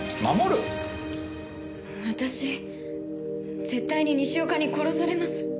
私絶対に西岡に殺されます。